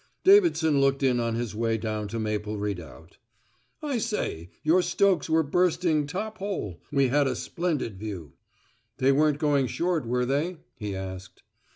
Davidson looked in on his way down to Maple Redoubt. "I say, your Stokes were bursting top hole. We had a splendid view." "They weren't going short, were they?" he asked.